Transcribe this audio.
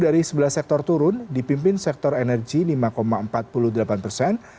dari sebelas sektor turun dipimpin sektor energi lima empat puluh delapan persen